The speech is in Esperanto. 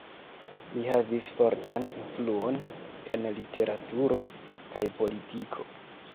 Li havis fortan influon en literaturo kaj politiko.